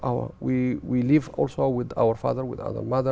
chúng ta cũng sống cùng với cha mẹ